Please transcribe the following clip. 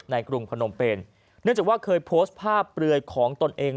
กรุงพนมเป็นเนื่องจากว่าเคยโพสต์ภาพเปลือยของตนเอง